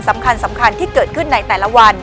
สำคัญที่เกิดขึ้นในแต่ละวัน